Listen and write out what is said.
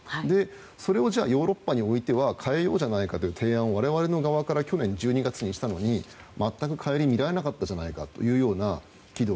それをヨーロッパにおいては変えようじゃないかという提案を我々の側から去年１２月にしたのに全く顧みられなかったじゃないかというような。